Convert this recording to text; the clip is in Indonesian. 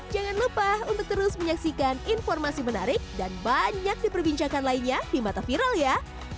jangan lupa untuk terus menyaksikan informasi menarik dan banyak diperbincangkan lainnya di mata viral ya